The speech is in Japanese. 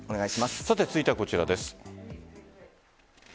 続いてはこちらです。